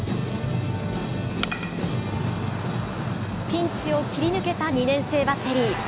ピンチを切り抜けた２年生バッテリー。